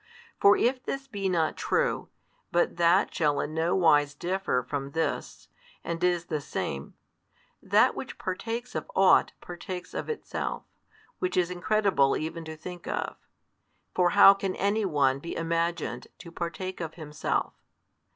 For if this be not true, but that shall in no wise differ from this, and is the same; that which partakes of ought partakes of itself, which is incredible even to think of (for how can any one be imagined to partake of |138 himself?).